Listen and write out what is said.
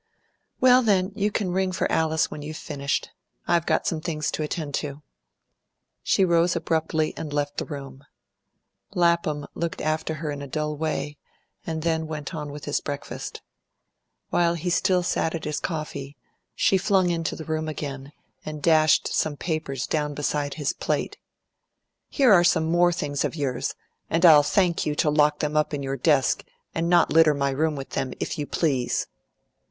"Well, then, you can ring for Alice when you've finished. I've got some things to attend to." She rose abruptly, and left the room. Lapham looked after her in a dull way, and then went on with his breakfast. While he still sat at his coffee, she flung into the room again, and dashed some papers down beside his plate. "Here are some more things of yours, and I'll thank you to lock them up in your desk and not litter my room with them, if you please."